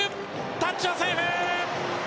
タッチはセーフ。